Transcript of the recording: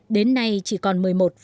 đến nay chỉ còn một mươi một bốn